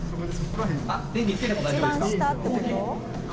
電気つけても大丈夫ですか？